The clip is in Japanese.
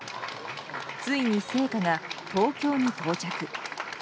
ついに聖火が東京に到着。